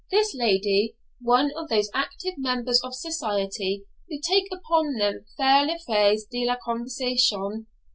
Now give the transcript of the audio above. This lady was one of those active members of society who take upon them faire lefrais de la conversation.